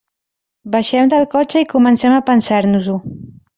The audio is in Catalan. Baixem del cotxe i comencem a pensar-nos-ho.